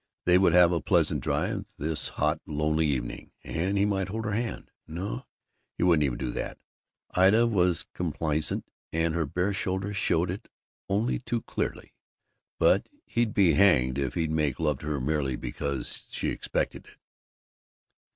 They would have a pleasant drive, this hot lonely evening, and he might hold her hand no, he wouldn't even do that. Ida was complaisant; her bare shoulders showed it only too clearly; but he'd be hanged if he'd make love to her merely because she expected it.